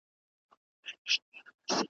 نن به ولي په تیارو کي ښخېدی د شمعي مړی ,